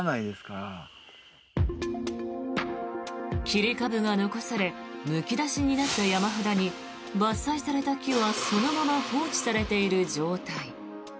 切り株が残されむき出しになった山肌に伐採された木はそのまま放置されている状態。